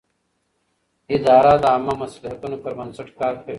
اداره د عامه مصلحت پر بنسټ کار کوي.